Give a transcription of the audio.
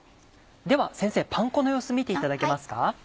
では先生パン粉の様子見ていただけますか？